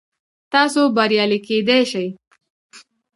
تاسو بریالي کیدی شئ